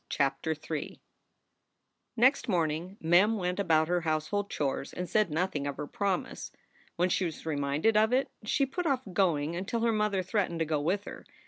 CHAPTER III NEXT morning Mem went about her household chores and said nothing of her promise. When she was re minded of it, she put off going until her mother threatened to go with her.